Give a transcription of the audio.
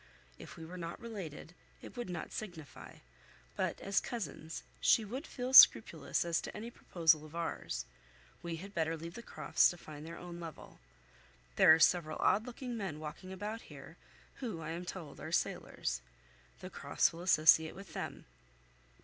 If we were not related, it would not signify; but as cousins, she would feel scrupulous as to any proposal of ours. We had better leave the Crofts to find their own level. There are several odd looking men walking about here, who, I am told, are sailors. The Crofts will associate with them."